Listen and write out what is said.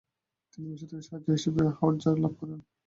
তিনি মিশর থেকে সাহায্য হিসেবে হাউইটজার লাভ করেন।